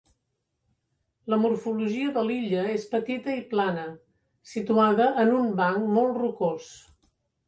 La morfologia de l'illa és petita i plana, situada en un banc molt rocós.